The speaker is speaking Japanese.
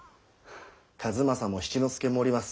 数正も七之助もおります。